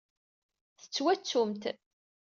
Tettwattumt.